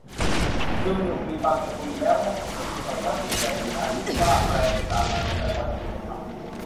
อืม หนุกดี ฟังแกคุยแล้ว แม่งไม่เหนื่อยเหรอไงวะ เสียงแกเป็นงั้น ? หรือว่าแปรไปตามอารมณ์ ? แบบว่าจงใจทำ ?